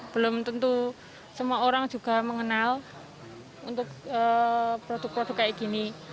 belum tentu semua orang juga mengenal untuk produk produk kayak gini